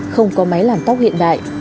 không có máy làm tóc hiện đại